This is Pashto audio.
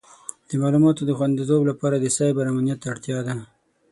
د معلوماتو د خوندیتوب لپاره د سایبر امنیت اړتیا ده.